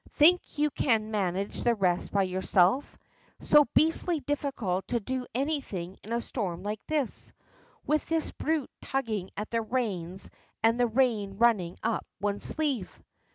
"Think you can manage the rest by yourself? So beastly difficult to do anything in a storm like this, with this brute tugging at the reins and the rain running up one's sleeve."